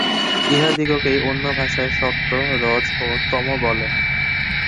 ইহাদিগকেই অন্য ভাষায় সত্ত্ব, রজ ও তম বলে।